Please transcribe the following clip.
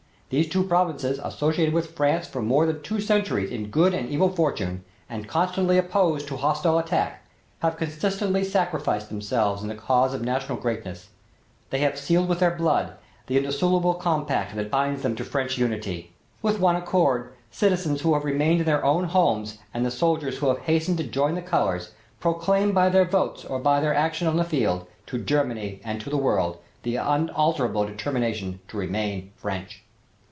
These two provinces, associated with France for more than two centuries in good and evil fortune and constantly opposed to hostile attack, have consistently sacrificed themselves in the cause of national greatness; they have sealed with their blood the indissoluble compact that binds them to French unity. With one accord, citizens who have remained in their own homes and the soldiers who have hastened to join the colors, proclaim by their votes or by their action on the field, to Germany and to the world, the unalterable determination to remain French."